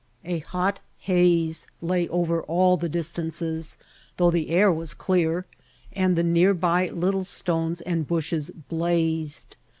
A hot haze lay over all the distances, though the air was clear, and the nearby little stones and bushes blazed.